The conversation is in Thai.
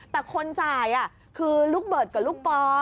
แต่คนจ่ายคือลูกเบิร์ตกับลูกปอ